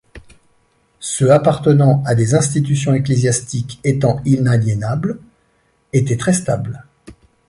Ceux appartenant à des institutions ecclésiastiques étant inaliénables étaient très stables.